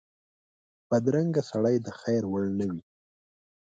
بدرنګه سړی د خیر وړ نه وي